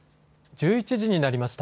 １１時になりました。